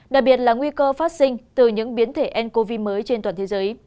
đặc biệt là nguy cơ phát sinh từ những biến thể ncov mới trên toàn thế giới